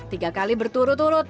tiga kali berturut turut